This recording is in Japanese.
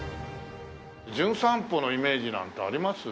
『じゅん散歩』のイメージなんてあります？